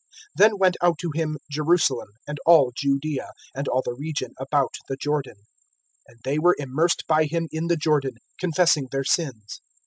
(5)Then went out to him Jerusalem, and all Judaea, and all the region about the Jordan; (6)and they were immersed by him in the Jordan, confessing their sins.